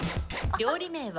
料理名は？